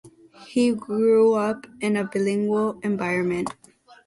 He grew up in a bilingual environment.